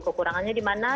kekurangannya di mana